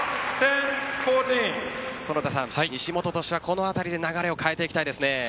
西本としては、この辺りで流れを変えていきたいですね。